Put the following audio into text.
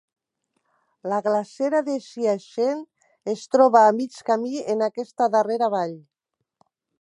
La glacera de Siachen es troba a mig camí en aquesta darrera vall.